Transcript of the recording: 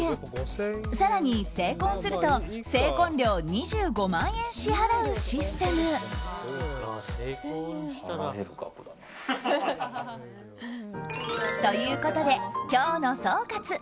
更に成婚すると成婚料２５万円支払うシステム。ということで、今日の総括。